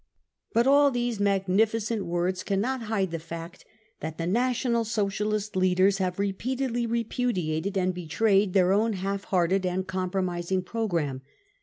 But all these magnificent words cannot hide the fact that the National Socialist leaders have repeatedly repudiated and betrayed their own half hearted and compromising programme.